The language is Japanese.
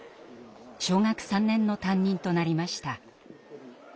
小学３年の担任となりました。